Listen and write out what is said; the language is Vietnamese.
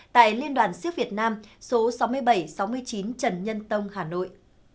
tại liên đoàn siếc việt nam số sáu mươi bảy sáu mươi chín trần nhân tông hà nội